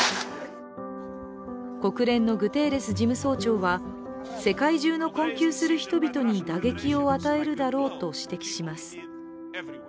国連のグテーレス事務総長は世界中の困窮する人々に打撃を与えるだろうと指摘します。